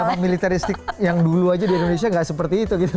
di zaman militeristik yang dulu aja di indonesia nggak seperti itu gitu